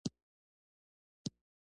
ملګری د ښو خاطرو سرچینه وي